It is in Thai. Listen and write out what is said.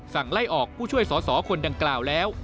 ไล่ออกผู้ช่วยสอสอคนดังกล่าวแล้ว